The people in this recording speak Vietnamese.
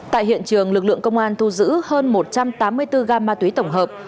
tại hiện trường lực lượng công an thu giữ hơn một trăm tám mươi bốn gam ma túy tổng hợp